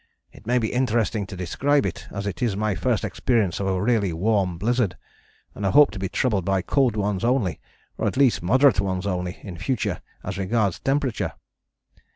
It may be interesting to describe it, as it is my first experience of a really warm blizzard, and I hope to be troubled by cold ones only, or at least moderate ones only, in future as regards temperature.